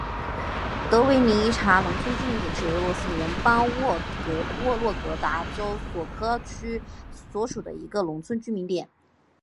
德维尼察农村居民点是俄罗斯联邦沃洛格达州索科尔区所属的一个农村居民点。